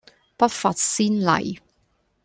不乏先例